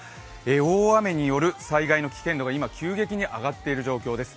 大雨による災害の危険度が今急激に上がっている状況です。